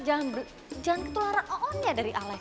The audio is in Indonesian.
jangan ketularan oonnya dari alex